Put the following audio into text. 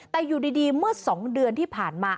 แต่อยู่ดีเมื่อ๒เดือนที่ผ่านมา